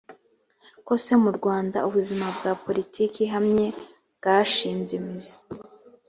kose mu rwanda ubuzima bwa poritiki ihamye bwashinze imizi